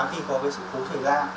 khi có cái sự cố thời gian